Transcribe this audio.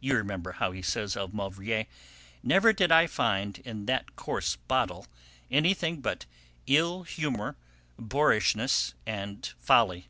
You remember how he says of Maulevrier, 'Never did I find in that coarse bottle anything but ill humour, boorishness, and folly.'"